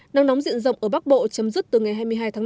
nắng nóng diện rộng ở bắc bộ chấm dứt từ ngày hai mươi hai tháng năm